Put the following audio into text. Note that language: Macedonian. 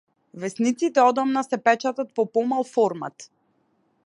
Весниците одамна се печатат во помал формат.